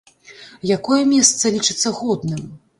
Якое месца лічыцца годным?